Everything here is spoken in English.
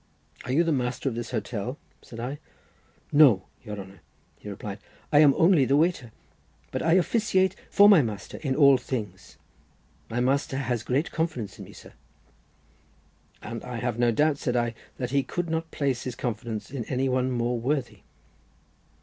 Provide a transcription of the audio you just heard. "Are you the master of this hotel?" said I. "No, your honour," he replied, "I am only the waiter, but I officiate for my master in all things; my master has great confidence in me, sir." "And I have no doubt," said I, "that he could not place his confidence in any one more worthy."